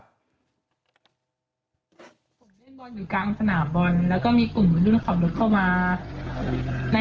ผมเล่นบอลอยู่กลางสนามบอลแล้วก็มีกลุ่มลุมขอบลุกเข้ามา